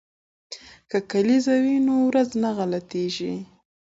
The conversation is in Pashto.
که کلیزه وي نو ورځ نه غلطیږي.